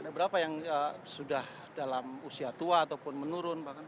ada berapa yang sudah dalam usia tua ataupun menurun